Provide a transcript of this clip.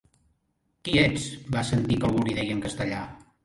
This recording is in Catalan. "Qui ets?", va sentir que algú li deia en castellà.